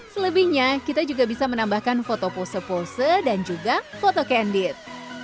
selebihnya kita juga bisa menambahkan foto pose pose dan juga foto candit